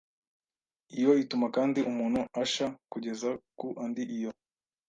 Iyo ituma kandi umuntu asha kugeza ku andi iyo